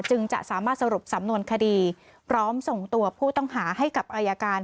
จึงจะสามารถสรุปสำนวนคดีพร้อมส่งตัวผู้ต้องหาให้กับอายการ